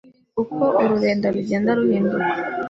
uko ururenda rugenda ruhinduka